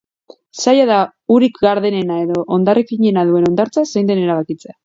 Zaila da urik gardenena edo ondarrik finena duen hondartza zein den erabakitzea.